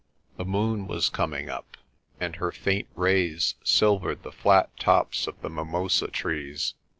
The moon was coming up, and her faint rays silvered the flat tops of the mimosa trees.